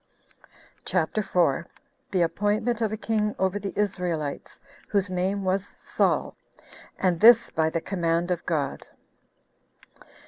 CHAPTER 4. The Appointment Of A King Over The Israelites, Whose Name Was Saul; And This By The Command Of God.